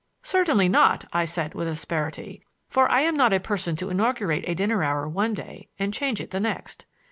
"Certainly not," I said with asperity; for I am not a person to inaugurate a dinner hour one day and change it the next.